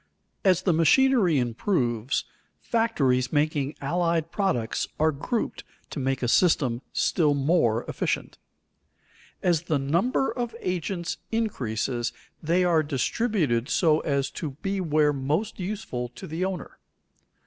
As the machinery improves, factories making allied products are grouped to make a system still more efficient. As the number of agents increases they are distributed so as to be where most useful to the owner.